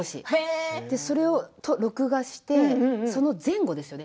それを録画してその前後ですよね